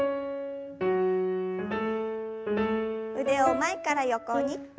腕を前から横に。